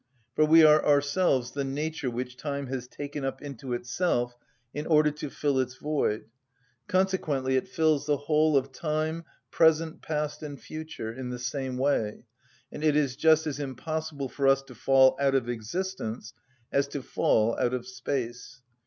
For we are ourselves the nature which time has taken up into itself in order to fill its void; consequently it fills the whole of time, present, past, and future, in the same way, and it is just as impossible for us to fall out of existence as to fall out of space.